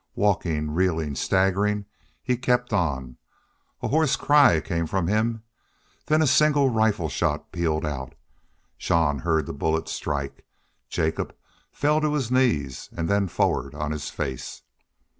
Walking, reeling, staggering, he kept on. A hoarse cry came from him. Then a single rifle shot pealed out. Jean heard the bullet strike. Jacobs fell to his knees, then forward on his face.